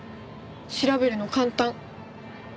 調べるの簡単。